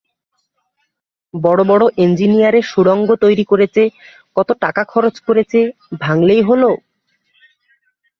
বড় বড় এঞ্জিনিয়ারে সুড়ঙ্গ তৈরি করেচে, কত টাকা খরচ করেচে, ভাঙলেই হল!